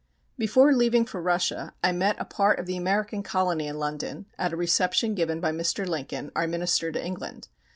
Before leaving for Russia I met a part of the American colony in London at a reception given by Mr. Lincoln, our Minister to England.